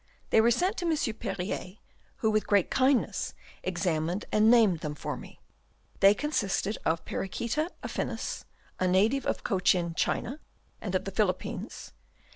They were sent to M. Perrier, who with great kindness examined and named them for me : they consisted of Perichoeta affinis, a native of Cochin China and of the Philippines ; P.